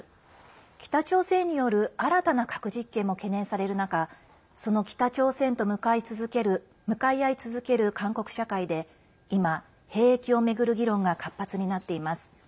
北朝鮮による新たな核実験も懸念される中その北朝鮮と向かい合い続ける韓国社会で今、兵役を巡る議論が活発になっています。